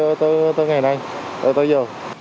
chiều hôm qua mới tới ngày nay tới giờ